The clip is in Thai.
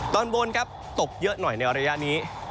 ตอนบนครับตกเยอะหน่อยในระยะนี้